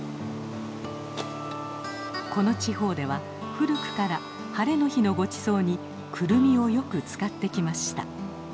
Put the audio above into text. この地方では古くからハレの日のごちそうにクルミをよく使ってきました。